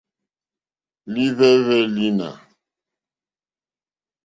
Líhwɛ́hwɛ́ lǐnà.